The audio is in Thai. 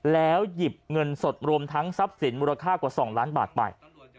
แล้วหยิบเงินสดรวมทั้งทรัพย์สินมูลค่ากว่า๒ล้านบาทไป